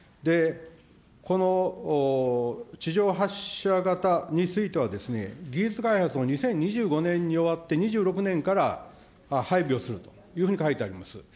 この地上発射型については、技術開発が２０２５年に終わって２６年から配備をするというふうに書いてあります。